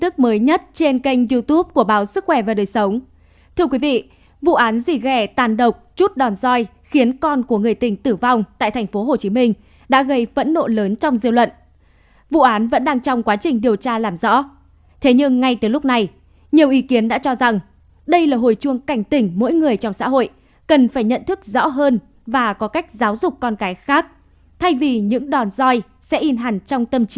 các bạn hãy đăng ký kênh để ủng hộ kênh của chúng mình nhé